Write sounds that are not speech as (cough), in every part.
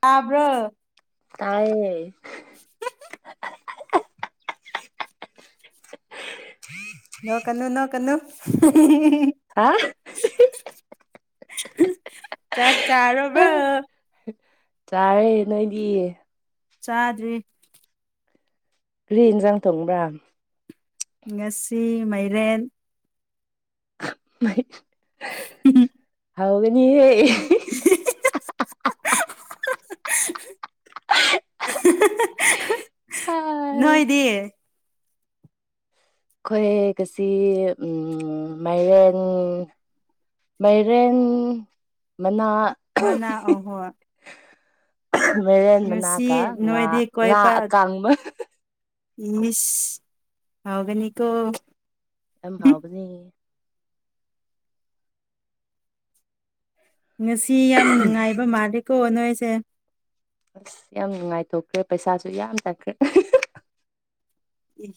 ꯇꯥꯕ꯭ꯔꯣ ꯇꯥꯏꯌꯦ (unintelligible) (inaudible) ꯅꯣ ꯀꯟꯅꯨ ꯅꯣ ꯀꯟꯅꯨ ꯍꯥ ꯆꯠ ꯆꯔꯣꯕ꯭ꯔ ꯆꯥꯔꯦ ꯅꯣꯏꯗꯤꯌꯦ ꯆꯥꯗ꯭ꯔꯤꯦ ꯔꯤꯟꯖꯥꯡ ꯊꯣꯡꯕ꯭ꯔꯥ ꯉꯁꯤ ꯃꯥꯏꯔꯦꯟ (unintelligible) ꯎꯝ ꯍꯥꯎꯒꯅꯤꯍꯦ (unintelligible) ꯅꯣꯏ ꯑꯩꯈꯣꯏ ꯗꯤ ꯑꯩꯈꯣꯏ ꯉꯥꯁꯤ ꯃꯥꯏꯔꯦꯟ ꯃꯥꯏꯔꯦꯟ ꯃꯅꯥ ꯃꯅꯥ ꯑꯍꯣ ꯃꯥꯏꯔꯦꯟ ꯃꯅꯥ ꯀ ꯉꯥ ꯅꯣꯏꯗꯤ ꯉꯥ ꯑꯀꯥꯡꯕ ꯃꯤ ꯍꯥꯎꯒꯅꯤꯀꯣ ꯌꯥꯝ ꯍꯥꯎꯕꯅꯤ ꯉꯁꯤ ꯌꯥꯝ ꯅꯨꯡꯉꯥꯏꯕ ꯃꯥꯜꯂꯦꯀꯣ ꯅꯣꯏꯁꯦ ꯑꯁ ꯌꯥꯝ ꯅꯨꯡꯉꯥꯏꯊꯣꯛꯈ꯭ꯔꯦ ꯄꯩꯁꯥꯁꯨ ꯌꯥꯝ ꯆꯥꯡꯈ꯭ꯔꯦ ꯏ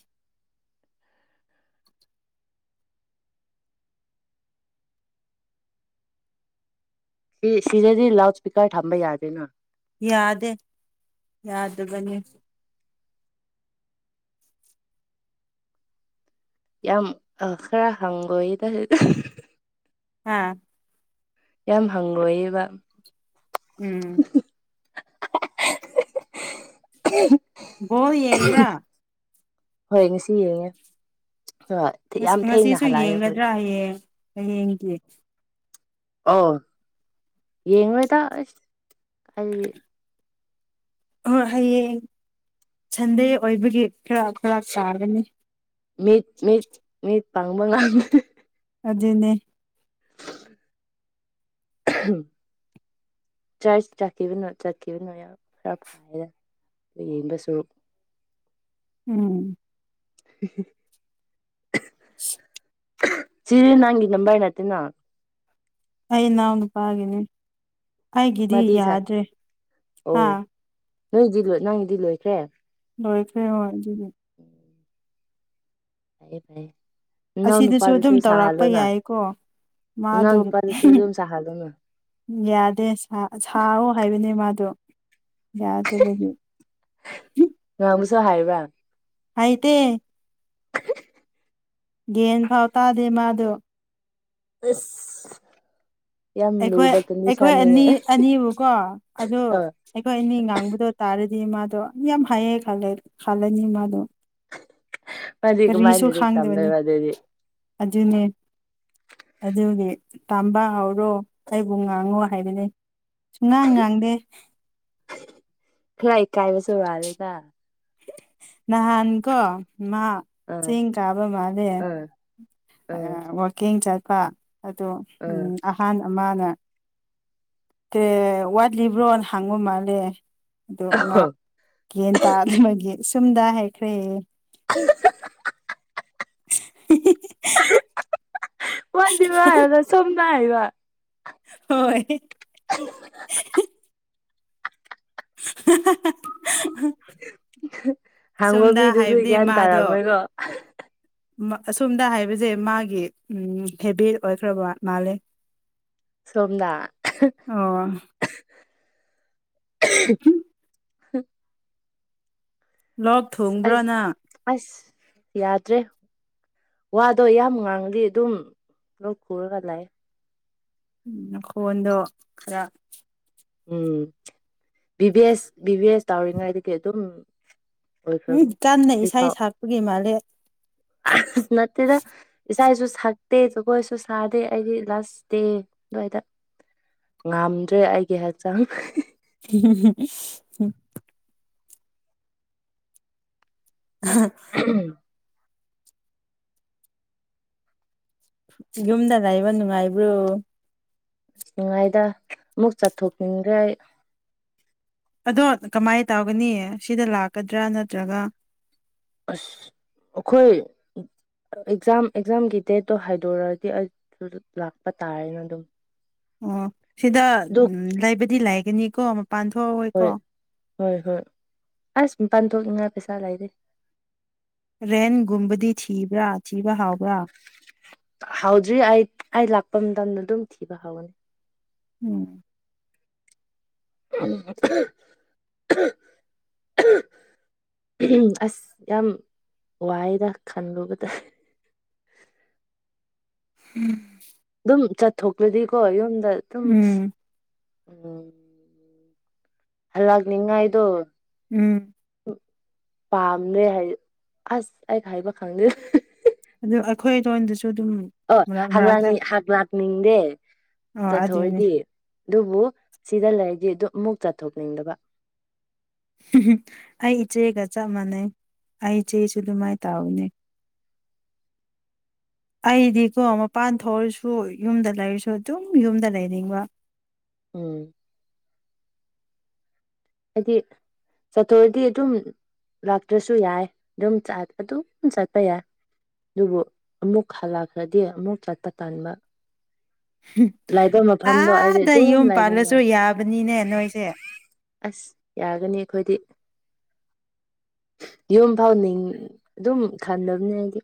ꯁꯤ ꯁꯤꯗꯗꯤ ꯂꯥꯎꯗ ꯁꯄꯤꯀꯔ ꯊꯝꯕ ꯌꯥꯗꯦꯅ ꯌꯥꯗꯦ ꯌꯥꯗꯕꯅꯤ ꯌꯥꯝ ꯑ ꯈꯔ ꯍꯪꯒꯣꯏꯗ ꯑꯥ ꯌꯥꯝ ꯍꯪꯒꯣꯏꯌꯦꯕ ꯎꯝ ꯕꯣꯜ ꯌꯦꯡꯕ꯭ꯔꯥ ꯍꯣꯏ ꯉꯁꯤ ꯌꯦꯡꯉꯦ ꯍꯣꯏ ꯌꯥꯝ ꯊꯦꯡꯅ ꯉꯁꯤꯁꯨ ꯍꯜꯂꯛꯑꯦ ꯑꯩꯈꯣꯏꯗꯤ ꯌꯦꯡꯒꯗ꯭ꯔꯥ ꯍꯌꯦꯡ ꯗꯤ ꯑꯣ ꯌꯦꯉꯣꯏ ꯗꯥ ꯍꯣꯏ ꯍꯌꯦꯡ ꯁꯟꯗꯦ ꯑꯣꯏꯕꯒꯤ ꯈꯔ ꯈꯔꯥꯛ ꯆꯥꯒꯅꯤ ꯃꯤꯠ ꯃꯤꯠ ꯃꯤꯠ ꯄꯥꯡꯕ ꯉꯥꯡꯗꯦ ꯑꯗꯨꯅꯦ ꯆꯔ ꯆꯠꯈꯤꯕꯅꯣ ꯆꯠꯈꯤꯕꯅꯣ ꯈꯔ ꯐꯗ ꯌꯦꯡꯕꯁꯨ ꯎꯝ (unintelligible) (unintelligible) ꯁꯤꯗꯤ ꯅꯪꯒꯤ ꯅꯥꯝꯕꯥꯔ ꯅꯠꯇꯦ ꯅ ꯑꯩ ꯏꯅꯥꯎ ꯅꯨꯄꯥꯒꯤꯅꯦ ꯑꯩꯒꯤꯗꯤ ꯃꯥꯗꯤ ꯁꯥ ꯌꯥꯗ꯭ꯔꯦ ꯍꯥꯥ ꯑꯣ ꯅꯣꯏꯗꯤ ꯂꯣꯏ ꯅꯪꯒꯤꯗꯤ ꯂꯣꯏꯈ꯭ꯔꯦ ꯂꯣꯏꯈꯦ ꯍꯣꯏ ꯑꯗꯨꯒꯤ ꯐꯌꯦ ꯐꯥꯏꯌꯦ ꯑꯁꯤꯗꯁꯨ ꯑꯗꯨꯝ ꯇꯧꯔꯛꯄ ꯌꯥꯏꯀꯣ ꯅꯅꯥꯎ ꯃꯥꯗꯨꯝ ꯅꯨꯄꯥꯗꯨꯁꯨ ꯑꯗꯨꯝ ꯁꯥꯍꯜꯂꯣꯅ ꯌꯥꯗꯦ ꯁꯥꯔꯣ ꯍꯥꯏꯕꯅꯦ ꯃꯥꯗꯣ ꯌꯥꯗꯕꯒꯤ ꯉꯕꯨꯁꯨ ꯍꯥꯏꯕꯔ ꯍꯩꯇꯦ ꯒꯦꯟ ꯐꯥꯎ ꯇꯥꯗꯦ ꯃꯥꯗꯣ ꯑꯁ ꯌꯥꯝ ꯑꯩꯈꯣꯏ ꯂꯨꯕ ꯑꯩꯈꯣꯏ ꯀꯟꯗꯤꯁꯟꯅꯤꯅꯦ ꯑꯅꯤ ꯑꯅꯤꯕꯨꯀꯣ ꯑꯗꯨ ꯑ ꯑꯩꯈꯣꯏ ꯑꯅꯤ ꯉꯥꯡꯕꯗꯣ ꯇꯥꯔꯗꯤ ꯃꯥꯗꯣ ꯌꯥꯝ ꯍꯥꯏꯌꯦ ꯈꯜꯂ ꯈꯜꯂꯅꯤ ꯃꯥꯗꯣ ꯃꯥꯗꯤ ꯀꯃꯥꯏꯅ ꯀꯔꯤꯁꯨ ꯂꯥꯏꯔꯤꯛ ꯈꯥꯡꯗꯕꯅꯤ ꯇꯝꯗꯣꯏꯕ ꯑꯗꯨꯗꯤ ꯑꯗꯨꯅꯦ ꯑꯗꯨꯒꯤ ꯇꯥꯝꯕ ꯍꯧꯔꯣ ꯑꯩꯕꯨ ꯉꯥꯡꯉꯣ ꯍꯥꯏꯕꯅꯤ ꯁꯨꯡꯉꯥꯡ ꯉꯥꯡꯗꯦ ꯐꯔ ꯏꯀꯥꯥꯏ ꯃ ꯁꯕꯥꯗꯦꯇꯥ ꯅꯍꯥꯟ ꯀꯣ ꯃꯥ ꯑ ꯆꯦꯡ ꯀꯥꯕ ꯃꯥꯜꯂꯦ ꯑ ꯑ ꯋꯥꯋꯀꯤꯡ ꯆꯠꯄ ꯑꯗꯣ ꯑꯍꯥꯟ ꯑꯃꯅ ꯑꯦ ꯋꯥꯠꯂꯤꯕ꯭ꯔꯣ ꯍꯥꯡꯉꯨ ꯃꯥꯜꯂꯦ ꯑꯗꯣ ꯃꯥ ꯑ ꯒꯦꯟ ꯇꯥ ꯑꯗꯨꯃꯒꯤ ꯁꯨꯝꯗ ꯍꯥꯏꯈ꯭ꯔꯦ ꯎꯝ (unintelligible) ꯋꯥꯆ ꯋꯥ ꯍꯥꯏꯔꯗ ꯁꯃꯅ ꯍꯥꯏꯔ ꯍꯣꯏ (unintelligible) ꯍꯥꯡꯕ ꯁꯣꯝꯗ ꯃꯤꯗꯨꯁꯨ ꯍꯥꯏꯕꯗꯤ ꯒ꯭ꯌꯥꯟ ꯃꯥꯗꯣ ꯇꯥꯔꯝꯃꯣꯏꯀꯣ ꯑꯁꯣꯝꯗ ꯍꯥꯏꯕꯁꯦ ꯃꯥꯒꯤ ꯎ ꯍꯦꯕꯤꯠ ꯑꯣꯏꯈ꯭ꯔꯕ ꯃꯥꯂꯦ ꯁꯣꯝꯗꯥ (unintelligible) ꯂꯣꯛ ꯑꯁ ꯑꯩ ꯊꯣꯡꯕ꯭ꯔꯅ ꯑꯁ ꯌꯥꯗ꯭ꯔꯦ ꯋꯥꯗꯣ ꯌꯥꯝ ꯉꯥꯡꯗꯤ ꯑꯗꯨꯝ ꯂꯧ ꯈꯨꯔꯒ ꯂꯥꯛ ꯎ ꯈꯣꯟꯗꯣ ꯈꯔ ꯎꯝ ꯚꯚꯤ ꯑꯦꯁ ꯚꯚꯤ ꯑꯦꯁ ꯇꯧꯔꯤꯉꯩꯗꯒꯤꯗꯒꯤ ꯑꯗꯨꯝ ꯎꯝ ꯑꯣꯏꯈ꯭ꯔꯕꯅꯤ ꯀꯟꯅ ꯏꯁꯩ ꯍꯧꯖꯤꯛꯐꯥꯎ ꯁꯛꯄꯒꯤ ꯃꯥꯜꯂꯦ ꯅꯠꯇꯦꯗ ꯏꯁꯥꯏꯁꯨ ꯁꯛꯇꯦ ꯖꯒꯣꯏꯁꯨ ꯁꯥꯗꯦ ꯑꯩꯒꯤ ꯂꯥꯁ ꯗꯦ ꯑꯗꯨꯋꯥꯏꯗ ꯉꯝꯗ꯭ꯔꯦ ꯑꯩꯒꯤ ꯍꯛꯆꯥꯡ (unintelligible) ꯑ ꯌꯨꯝꯗ ꯂꯩꯕ ꯅꯨꯡꯉꯥꯏꯕ꯭ꯔꯣ ꯑꯁꯉꯥꯏꯗ ꯑꯃꯨꯛ ꯆꯠꯊꯣꯛꯅꯤꯡꯈ꯭ꯔꯦ ꯑꯗꯣ ꯀꯃꯥꯏꯅ ꯇꯧꯒꯅꯤ ꯁꯤꯗ ꯂꯥꯛꯀꯗ꯭ꯔꯥ ꯅꯠꯇ꯭ꯔꯒ ꯑꯁ ꯑꯩꯈꯣꯏ ꯑꯦꯛꯖꯥꯝ ꯑꯦꯛꯖꯥꯝꯒꯤ ꯗꯦꯠꯇꯣ ꯍꯥꯏꯗꯣꯔꯛꯗꯤ ꯑꯗꯨ ꯂꯥꯛꯄ ꯇꯥꯔꯦꯅ ꯑꯗꯨꯝ ꯑꯣ ꯁꯤꯗ ꯑꯗꯨ ꯎ ꯂꯩꯕꯗꯤ ꯂꯩꯥꯏꯒꯅꯤꯀꯣ ꯃꯄꯥꯟ ꯊꯣꯛꯑꯣꯣꯏꯀꯣ ꯍꯣꯏ ꯍꯣꯏ ꯍꯣꯏ ꯑꯁꯄꯥꯟꯊꯣꯛꯅꯤꯡꯉꯥꯏ ꯄꯩꯁꯥ ꯂꯩꯔꯦ ꯔꯦꯟꯒꯨꯝꯕꯗꯤ ꯊꯤꯕ꯭ꯔꯥ ꯊꯤꯕ ꯍꯥꯎꯕ꯭ꯔꯥ ꯍꯥꯎꯗ꯭ꯔꯤ ꯑꯩ ꯑꯩ ꯂꯥꯛꯄ ꯃꯇꯝꯗ ꯑꯗꯨꯝ ꯊꯤꯕ ꯍꯧꯒꯅꯤ ꯎꯝ (unintelligible) ꯑꯁ ꯌꯥꯝ ꯋꯥꯏꯗ ꯈꯟꯂꯨꯕ ꯇꯥꯏꯦ ꯎꯝ ꯑꯗꯨꯝ ꯆꯠꯊꯣꯛꯂꯗꯤꯀꯣ ꯌꯨꯝꯗ ꯑꯗꯨꯝ ꯎꯝ ꯎꯝ ꯑꯜꯒ ꯅꯤꯡꯉꯥꯏꯣ ꯎꯝ ꯄꯥꯝꯅ ꯍꯥꯏ ꯑꯁ ꯑꯩ ꯍꯥꯏꯕ ꯈꯪꯦ ꯑꯩꯈꯣꯏꯗꯣꯏꯁꯨ ꯑꯣ ꯍꯥꯡ ꯍ ꯂꯥꯛꯅꯤꯡꯗꯦ ꯑꯣ ꯑꯗꯨꯅꯦ ꯆꯠꯊꯔꯗꯤ ꯑꯗꯨꯕꯨ ꯁꯤꯗ ꯂꯩꯔꯗꯤ ꯑꯗꯨ ꯑꯃꯨꯛ ꯆꯠꯊꯣꯛꯅꯤꯡꯗꯕ ꯑꯩ ꯏꯆꯦꯒ ꯆꯞ ꯃꯥꯟꯅꯩ ꯑꯩ ꯏꯆꯦꯁꯨ ꯑꯗꯨꯃꯥꯏ ꯇꯥꯎꯏꯅꯦ ꯑꯩꯗꯤꯀꯣ ꯃꯄꯥꯟ ꯊꯣꯛꯑꯔꯁꯨ ꯌꯨꯝꯗ ꯂꯩꯔꯁꯨ ꯑꯗꯨꯝ ꯌꯨꯝꯗ ꯂꯩꯅꯤꯡꯕ ꯎꯝ ꯍꯥꯏꯗꯤ ꯆꯥꯠꯊꯣꯔꯗꯤ ꯑꯗꯨꯝ ꯂꯥꯛꯇ꯭ꯔꯁꯨ ꯌꯥꯏ ꯑꯗꯨꯝ ꯑꯗꯨꯝ ꯆꯠꯄ ꯌꯥꯏ ꯑꯗꯨꯕꯨ ꯑꯃꯨꯛ ꯍꯜꯂꯛꯈ꯭ꯔꯗꯤ ꯑꯃꯨꯛ ꯆꯠꯄ ꯇꯥꯟꯕ ꯂꯥꯏꯕ ꯃꯐꯝꯗꯣ ꯑꯩꯗꯤ ꯑꯥꯗ ꯑꯗꯨꯝ ꯌꯨꯝ ꯂꯩꯒꯅꯤ ꯄꯥꯜꯂꯁꯨ ꯌꯥꯏ ꯌꯥꯕꯅꯤꯅꯦ ꯅꯣꯏꯁꯦ ꯑꯁ ꯌꯥꯒꯅꯤ ꯑꯩꯈꯣꯏꯗꯤ ꯌꯨꯝ ꯐꯥꯎꯅꯤꯡ ꯑꯗꯨꯝ ꯈꯟꯗꯕꯅꯦ ꯍꯥꯏꯗꯤ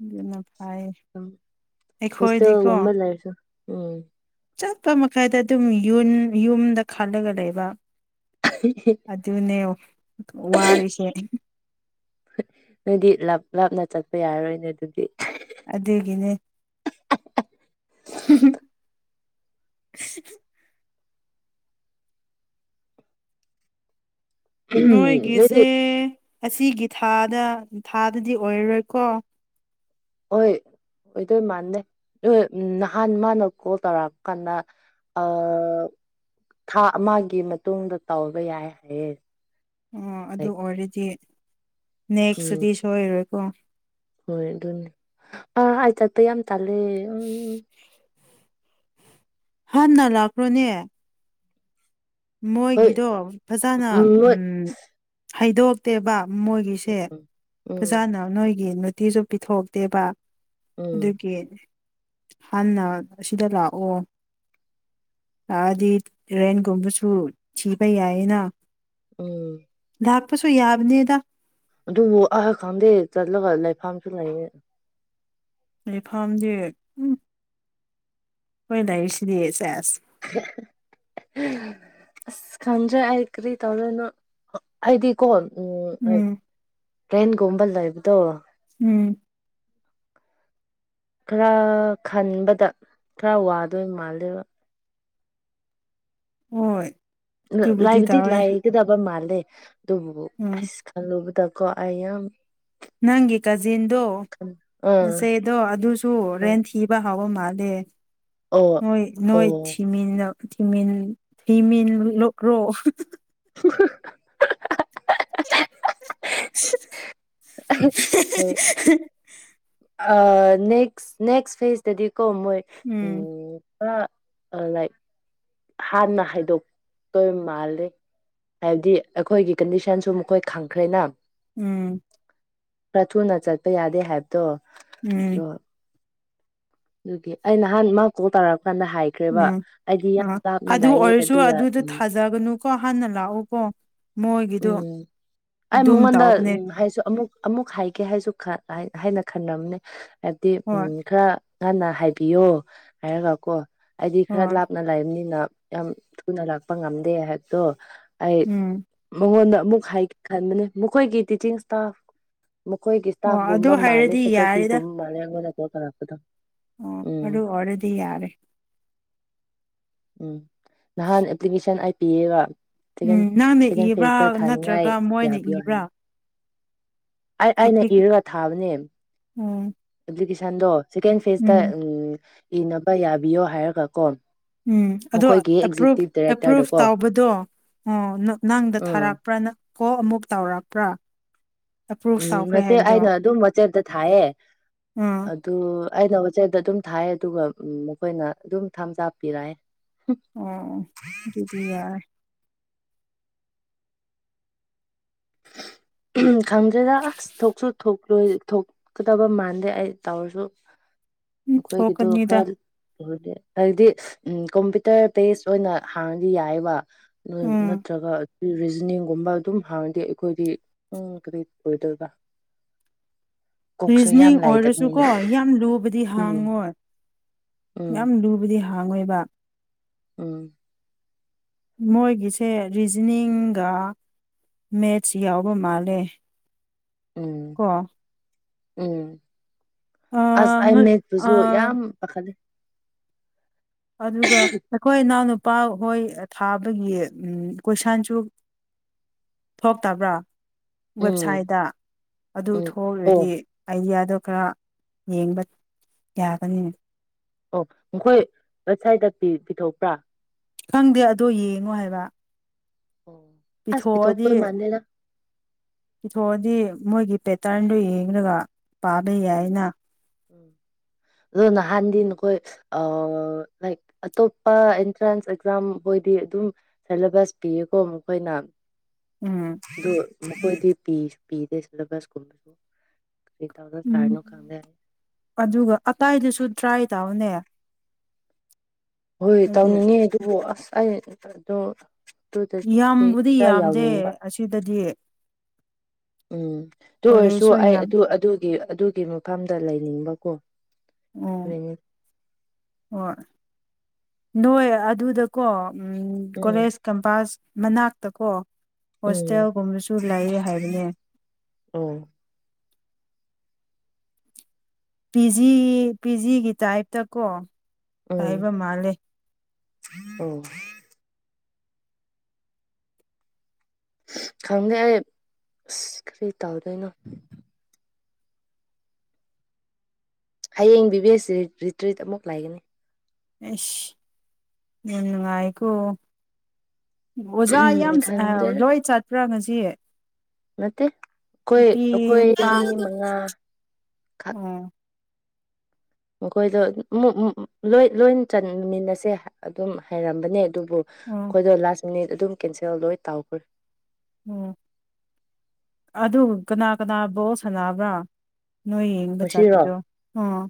ꯑꯗꯨꯅ ꯐꯩ ꯎꯝ ꯑꯩꯈꯣꯏꯗꯤꯀꯣ ꯍꯣꯁꯇꯦꯜꯒꯨꯝꯕ ꯂꯩꯔꯁꯨ ꯎꯝ ꯆꯠꯄ ꯃꯈꯩꯗ ꯑꯗꯨꯝ ꯌ ꯌꯨꯝꯗ ꯈꯜꯂꯒ ꯂꯩꯕ ꯑꯗꯨ ꯑꯗꯨꯅꯦ ꯋꯥꯔꯁꯦ ꯅꯣꯏꯗꯤ ꯂꯥꯞ ꯂꯥꯞꯅ ꯆꯠꯄ ꯌꯥꯔꯔꯣꯏꯅꯦ ꯑꯗꯨꯗꯤ ꯑꯗꯨꯒꯤꯅꯦ (unintelligible) ꯅꯣꯏꯗꯤ ꯅꯣꯏꯒꯤꯁꯦ ꯑꯁꯤꯒꯤ ꯊꯥꯗ ꯊꯥꯗꯗꯤ ꯑꯣꯏꯔꯔꯣꯏꯀꯣ ꯍꯣꯏ ꯑꯣꯏꯗꯣꯏ ꯃꯥꯥꯟꯅꯦꯣꯏ ꯎ ꯅꯍꯥꯟ ꯃꯥꯅ ꯀꯣꯜ ꯇꯧꯔꯛꯑ ꯀꯥꯟꯗ ꯑ ꯊꯥ ꯑꯃꯒꯤ ꯃꯇꯨꯡꯗ ꯇꯧꯒ ꯌꯥꯏ ꯍꯥꯏꯌꯦꯦ ꯑꯣ ꯑꯗꯨ ꯑꯣꯏꯔꯗꯤ ꯎꯝ ꯅꯦꯛꯁꯇꯨꯗꯤ ꯁꯣꯏꯔꯣꯏꯀꯣ ꯍꯣꯏ ꯑꯗꯨ ꯑ ꯑ ꯆꯇ ꯌꯥꯝ ꯇꯥꯂꯦ ꯎꯝ ꯍꯥ ꯅ ꯂꯥꯛꯈ꯭ꯔꯣꯅꯦ ꯍꯣꯏ ꯃꯣꯏꯒꯤꯗꯣ ꯐꯖꯅ ꯎꯝ ꯎ ꯅꯣꯏ ꯍꯩꯗꯣꯛꯇꯦꯕ ꯃꯣꯏꯒꯤꯁꯦ ꯎꯝ ꯐꯖꯥꯅ ꯅꯣꯏꯒꯤ ꯅꯨꯡꯇꯤꯁꯨ ꯄꯤꯊꯣꯛꯇꯦꯕ ꯎꯝ ꯑꯗꯨꯒꯤ ꯍꯥꯟꯅ ꯑꯁꯤꯗ ꯂꯥꯛꯑꯣ ꯑꯗꯤ ꯔꯦꯟꯒꯨꯝꯕꯁꯨ ꯊꯤꯕ ꯌꯥꯏꯌꯦꯅ ꯎꯝ ꯗꯄꯁꯨꯏ ꯌꯥꯕꯅꯤꯗ ꯑꯗꯨꯕꯨ ꯑꯍ ꯈꯪꯗꯦ ꯆꯠꯂꯒ ꯂꯩꯐꯝꯥꯝꯁꯨ ꯂꯩꯌꯦ ꯂꯩ ꯐꯥꯝꯗꯤ ꯎꯝ ꯍꯣꯏꯅ ꯏ ꯏꯁꯂꯤ ꯆꯦ (unintelligible) ꯑꯁ ꯈꯟꯖ ꯑꯈ꯭ꯔꯤ ꯇꯧꯔꯅ ꯑꯗꯤ ꯀꯣꯣꯟ ꯎꯝ ꯇ꯭ꯔꯦꯟꯒꯣꯝꯕꯜꯗꯏꯕꯗꯣ ꯎꯝ ꯈꯔ ꯈꯟꯕꯗ ꯈꯔ ꯋꯥꯗꯣꯏ ꯃꯥꯜꯂꯦꯕ ꯍꯣꯏ ꯑꯗꯨꯕꯨꯗꯤ ꯂꯥꯏꯕꯗꯤ ꯇꯧꯋꯦ ꯂꯥꯏꯒꯗꯕ ꯃꯥꯜꯂꯦ ꯑꯗꯨꯕꯨ ꯎꯝ ꯑꯁ ꯈꯜꯂꯨꯕꯗ ꯀꯣ ꯑꯌꯥꯝ ꯅꯪꯒꯤ ꯀꯥꯖꯤꯟꯗꯣ ꯑꯥ ꯅꯆꯦꯗꯣ ꯑꯗꯨꯁꯨ ꯑꯥ ꯔꯦꯟ ꯊꯤꯕ ꯍꯥꯎꯕꯝꯃ ꯃꯥꯗꯦ ꯑꯣ ꯅꯣꯏ ꯅꯣꯏ ꯑꯣ ꯊꯤꯃꯤꯅ ꯊꯤꯃꯤ ꯊꯤꯃꯤ ꯔꯣ (unintelligible) ꯍꯣꯏ ꯑ ꯅꯦꯛꯁ ꯅꯦꯛꯁ ꯐꯦꯁꯇꯗꯤ ꯀꯣ ꯃꯣꯏ ꯎꯝ ꯂꯥꯏꯛ ꯍꯥꯟꯅ ꯍꯥꯏꯗꯣꯛꯇꯣꯏ ꯃꯥ ꯜꯂꯦ ꯍꯥꯏꯕꯗꯤ ꯑꯩꯈꯣꯏꯒꯤ ꯀꯟꯗꯤꯁꯟꯁꯨ ꯃꯈꯣꯏ ꯈꯪꯈ꯭ꯔꯦꯅ ꯎꯝ ꯈꯔ ꯊꯨꯅ ꯆꯠꯄ ꯌꯥꯗꯦ ꯍꯥꯏꯕꯗꯣ ꯎꯝ ꯑꯗꯨꯗꯤ ꯑꯩ ꯅꯍꯥꯟ ꯃꯥ ꯀꯣꯛ ꯇꯥꯔꯛ ꯀꯥꯟꯗ ꯍꯥꯏꯈ꯭ꯔꯦꯕ ꯎꯝ ꯑꯩꯗꯤ ꯑ ꯂꯥꯞꯅ ꯑꯗꯨ ꯂꯥꯛꯑꯦ ꯑꯣꯏꯔꯁꯨ ꯑꯗꯨꯗ ꯎꯝ ꯊꯥꯖꯒꯅꯨꯀꯣ ꯍꯥꯟꯅ ꯂꯥꯛꯎꯀꯣ ꯃꯣꯏꯒꯤꯗꯣ ꯎꯝ ꯑꯩ ꯑꯗꯨꯝ ꯃꯉꯣꯟꯗ ꯇꯧꯕꯅꯦ ꯎ ꯍꯥꯏꯁꯨ ꯑꯃꯨꯛ ꯑꯃꯨꯛ ꯍꯥꯏꯒꯦ ꯍꯥꯏꯁꯨ ꯈ ꯍꯥꯏꯅ ꯈꯟꯅꯝꯅꯦ ꯍꯥꯏꯕꯗꯤ ꯎ ꯍꯣꯏ ꯈꯔ ꯉꯟꯅ ꯍꯥꯏꯕꯤꯌꯣ ꯍꯥꯏꯔꯒ ꯀꯣ ꯑꯩꯗꯤ ꯈꯔ ꯍꯣꯏ ꯂꯥꯞꯅ ꯂꯩꯔꯕꯅꯤꯅ ꯌꯥꯝ ꯊꯨꯅ ꯂꯥꯛꯄ ꯉꯝꯗꯦ ꯑꯩꯍꯦꯛꯇꯣ ꯎꯝ ꯃꯉꯣꯟꯗ ꯑꯃꯨꯛ ꯍꯥꯏ ꯈꯟꯕꯅꯤ ꯃꯈꯣꯏꯒꯤ ꯇꯤꯆꯤꯡ ꯏꯁꯇꯥꯐ ꯃꯈꯣꯏꯒꯤ ꯑꯣ ꯑꯗꯨ ꯏꯁꯇꯥꯐꯒꯨꯝꯕ ꯃꯥꯜꯂꯦ ꯍꯥꯏꯔꯗꯤ ꯐꯦꯀꯜꯇꯤꯒꯨꯝꯕ ꯃꯥꯜꯂꯦ ꯑꯩꯉꯣꯟꯗ ꯀꯣ ꯀꯥꯔꯛꯄꯗꯣ ꯑꯣꯔ ꯑꯣꯏꯔꯗꯤ ꯌꯥꯔꯦ ꯎꯝ ꯅꯍꯥꯟ ꯑꯦꯄ꯭ꯂꯤꯀꯦꯁꯟ ꯑꯥꯏ ꯄꯤꯌꯦꯒ ꯎꯝ ꯅꯪꯅ ꯁꯦꯀꯦꯟ ꯏꯕ꯭ꯔꯥ ꯐꯦꯁꯇ ꯊꯥꯅꯤꯡꯉꯥꯏ ꯅꯠꯇ꯭ꯔꯒ ꯃꯣꯏꯅ ꯌꯥꯕꯤꯌꯣ ꯏꯕ꯭ꯔꯥ ꯍꯥꯏꯅ ꯑꯩ ꯑꯩꯅ ꯑꯦꯄ꯭ꯂꯤꯀꯦ ꯏꯔꯒ ꯊꯥꯕꯅꯦ ꯎꯝ ꯏꯗꯨꯀꯦꯁꯟꯗꯣ ꯁꯦꯀꯦꯟ ꯐꯦꯖꯇ ꯎꯝ ꯎ ꯏꯅꯕ ꯌꯥꯕꯤꯌꯣ ꯍꯥꯏꯔꯒ ꯀꯣ ꯎꯝ ꯑꯗꯣ ꯃꯈꯣꯏꯒꯤ ꯑꯦꯄ꯭ꯔꯨꯞꯚ ꯑꯦꯛꯖꯤꯀ꯭ꯌꯨꯇꯤꯞ ꯑꯦꯄ꯭ꯔꯨꯚ ꯗꯥꯏꯔꯦꯛꯇꯔꯗꯀꯣ ꯇꯥꯎꯕꯗꯣ ꯑꯣ ꯅꯪꯗ ꯎꯝ ꯊꯥꯔꯛꯄ꯭ꯔꯥ ꯅ ꯀꯣ ꯑꯃꯨꯛ ꯇꯧꯔꯛꯄ꯭ꯔꯥ ꯑꯦꯄ꯭ꯔꯨꯞ ꯎꯝ ꯇꯧꯈ꯭ꯔꯦ ꯃꯇꯦꯛ ꯍꯥꯏꯕꯗꯣ ꯑꯩꯅ ꯑꯗꯨꯝ ꯃꯆꯦꯠꯇ ꯊꯥꯏꯑ ꯑꯥ ꯑꯗꯨ ꯑꯩꯅ ꯍꯣꯠꯆꯩꯗ ꯑꯗꯨꯝ ꯊꯥꯏ ꯑꯗꯨꯒ ꯃꯈꯣꯏꯅ ꯑꯗꯨꯝ ꯊꯥꯝꯖꯥ ꯄꯤꯔꯛꯑꯦ ꯑꯣ ꯑꯗꯨꯗꯤ ꯌꯥ ꯈꯪꯖꯗ ꯑꯁ ꯊꯣꯛꯁꯨ ꯊ ꯊꯣꯛꯣꯛ ꯂꯣꯏ ꯊꯣꯛꯀꯗꯕ ꯃꯥꯟꯗꯦ ꯑꯩ ꯇꯧꯔꯁꯨ ꯎꯝ ꯃꯈꯈꯣꯏꯒꯤꯗ ꯊꯣꯛꯀꯅꯤꯗ ꯈꯔ ꯍꯥꯏꯗꯤ ꯎꯝ ꯀꯣꯝꯄ꯭ꯌꯨꯇꯔ ꯕꯦꯁ ꯑꯣꯏꯅ ꯍꯥꯡꯅꯗꯤ ꯌꯥꯏꯕ ꯎꯝ ꯅꯠꯇ꯭ꯔꯒ ꯔꯤꯖꯅꯤꯡꯒꯨꯝꯕ ꯑꯗꯨꯝ ꯍꯥꯡꯅꯗꯤꯦ ꯑꯩꯈꯣꯏꯗꯤ ꯎ ꯀꯔꯤ ꯑꯣꯏꯗꯣꯏꯒꯥ ꯔꯤꯖꯅꯤꯡ ꯑꯣꯏꯔꯁꯨꯀꯣ ꯌꯥꯝ ꯂꯨꯕꯗꯤ ꯎꯝ ꯍꯥꯡꯉꯣꯏ ꯌꯥꯝ ꯎꯝ ꯂꯨꯕꯗꯤ ꯍꯥꯡꯉꯣꯏꯕ ꯎꯝ ꯃꯣꯏꯒꯤꯁꯦ ꯔꯤꯖꯅꯤꯡꯒ ꯃꯦꯠꯆ ꯌꯥꯎꯕ ꯃꯥꯜꯂꯦ ꯎꯝ ꯀꯣ ꯎꯝ ꯑ ꯑꯁ ꯑꯩ ꯑ ꯃꯦꯠꯄꯨꯁꯨ ꯌꯥꯝ ꯄꯥꯈꯠꯂꯤ ꯑꯗꯨꯒꯒ ꯅꯈꯣꯏ ꯅꯥꯟꯨ ꯂꯨꯄꯥ ꯍꯣꯏ ꯊꯥꯕꯒꯤ ꯎꯝ ꯀꯣꯏꯁꯟꯁꯨ ꯊꯣꯛꯇꯕ꯭ꯔꯥ ꯎꯝ ꯋꯦꯕꯁꯥꯏꯠꯇ ꯑꯗꯨ ꯎꯝ ꯑꯣ ꯊꯣꯛꯈ꯭ꯔꯗꯤ ꯑꯥꯏꯗꯤꯌꯥꯗ ꯈꯔ ꯌꯦꯡꯕ ꯌꯥꯒꯅꯤꯅ ꯑꯣ ꯃꯈꯣꯏ ꯋꯦꯁꯥꯏꯠꯇ ꯄꯤꯊꯣꯛꯄ꯭ꯔꯥ ꯈꯪꯗꯦ ꯑꯗꯣ ꯌꯦꯡꯉꯣ ꯍꯥꯏꯕ ꯑꯣ ꯑꯁ ꯄꯤꯊꯣꯛꯑꯗꯤ ꯄꯤꯊꯣꯛꯄ ꯃꯥꯥꯟꯦꯅ ꯄꯤꯊꯣꯛꯑꯗꯤ ꯃꯣꯏꯒꯤ ꯄꯦꯇꯔꯟꯗꯣ ꯌꯦꯡꯂꯒ ꯄꯥꯕ ꯎꯝ ꯌꯥꯏꯅ ꯎꯝ ꯑꯗꯨ ꯅꯍꯥꯟꯗꯤ ꯅ ꯑꯩꯈꯣꯏ ꯑ ꯂꯥꯏ ꯑꯇꯣꯞꯄ ꯑꯦꯟꯇ꯭ꯔꯦꯟꯁ ꯑꯦꯛꯖꯥꯝ ꯗꯤ ꯑꯗꯨꯝ ꯁꯦꯂꯦꯕꯁ ꯄꯤꯌꯦꯀꯣ ꯃꯈꯣꯏꯅ ꯎꯝ ꯑꯗꯨ ꯃꯈꯣꯏꯗꯤ ꯄꯤꯗꯦ ꯁꯤꯂꯦꯕꯁꯀꯨꯝꯕꯁꯨ ꯇꯧꯔ ꯎꯝ ꯁꯥꯔꯤꯅꯣ ꯈꯪꯗꯦ ꯑꯗꯨꯒ ꯑꯗꯥꯏꯗꯁꯨ ꯇ꯭ꯔꯥꯏ ꯇꯥꯎꯅꯦ ꯍꯣꯏ ꯍꯥꯏꯗꯤ ꯇꯧꯅꯤꯡꯉꯦ ꯑꯗꯨꯕꯨ ꯑꯁ ꯑꯩꯗꯣ ꯌꯥꯝꯕꯨꯗꯤ ꯌꯥꯝꯗꯦ ꯑꯁꯤꯗꯗꯤ ꯎꯝ ꯑꯗꯨ ꯑꯣꯏꯔꯁꯨ ꯀꯣꯂꯦꯖꯁꯨ ꯑꯩ ꯌꯥꯝ ꯑꯗꯨ ꯑꯗꯨꯒꯤ ꯑꯗꯨꯒꯤ ꯃꯐꯝꯗ ꯂꯩꯅꯤꯡꯕ ꯑꯣ ꯍꯣꯏ ꯅꯣꯏ ꯑꯗꯨꯗꯀꯣ ꯎꯝ ꯀꯣꯂꯦꯖ ꯀꯝꯄꯥꯁ ꯃꯅꯥꯛꯇ ꯀꯣ ꯎꯝ ꯍꯣꯁꯇꯦꯜꯒꯨꯝꯕꯁꯨ ꯂꯩ ꯍꯥꯏꯕꯅꯦ ꯑꯣ ꯄꯤꯖꯤ ꯄꯤ ꯖꯤꯒꯤ ꯇꯥꯏꯞꯇꯀꯣ ꯎꯝ ꯍꯥꯏꯕ ꯃꯥꯜꯂꯦ ꯑꯣ ꯈꯪꯗꯦ ꯑꯩ ꯑꯁ ꯀꯔꯤ ꯇꯧꯗꯣꯏꯅꯣ ꯍꯌꯦꯡ ꯕꯤ ꯕꯤ ꯑꯦꯁ ꯁꯤ ꯔꯤꯇ꯭ꯔꯤꯠ ꯑꯃꯨꯛ ꯂꯩꯒꯅꯤ ꯑꯦ ꯎꯅꯨꯡꯉꯥꯏꯀꯣ ꯑꯣꯖꯥ ꯌꯥꯝ ꯈꯪꯗꯦꯗ ꯂꯣꯏ ꯆꯠꯄ꯭ꯔꯥ ꯉꯁꯤ ꯅꯠꯇꯦ ꯑꯩꯈꯣꯏ ꯅꯨꯄꯤ ꯑꯩꯈꯣꯏ ꯅꯨꯄꯥ ꯃꯤ ꯃꯉꯥ ꯈꯛ ꯑꯣ ꯃꯈꯣꯏꯗꯣ ꯂꯣꯏ ꯂꯣꯏ ꯆꯟꯃꯤꯟꯅꯁꯦ ꯑꯗꯨꯝ ꯍꯥꯏꯔꯝꯕꯅꯦ ꯑꯗꯨꯕꯨ ꯑꯣ ꯑꯩꯈꯣꯏꯗ ꯂꯥꯁ ꯃꯤꯅꯤꯠ ꯑꯗꯨꯝ ꯀꯦꯟꯁꯦꯜ ꯂꯣꯏ ꯇꯥꯎꯈ꯭ꯔꯦ ꯎꯝ ꯑꯗꯨ ꯀꯅꯥ ꯀꯅꯥꯕꯣ ꯁꯥꯟꯅꯕ꯭ꯔꯥ ꯅꯣꯏ ꯌꯦꯡꯕ ꯉꯁꯤꯔꯣ ꯆꯥꯛꯄꯗꯣ ꯑꯥ